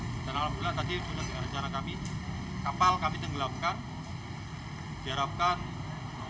dan alhamdulillah tadi sudah diarahkan kepada kami kapal kami tenggelamkan